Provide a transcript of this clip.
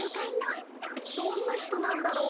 どんな人なんだろう。